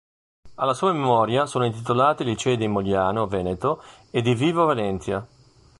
Alla sua memoria sono intitolati i licei di Mogliano Veneto e di Vibo Valentia.